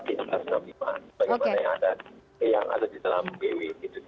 bagaimana yang ada di dalam bw gitu